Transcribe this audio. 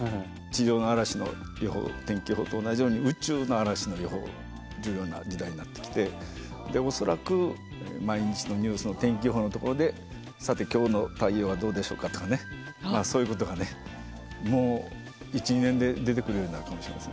地上の嵐の予報天気予報と同じように宇宙の嵐の予報重要な時代になってきて恐らく毎日のニュースの天気予報のところで「さて今日の太陽はどうでしょうか」とかまあそういうことがねもう１２年で出てくるようになるかもしれませんね。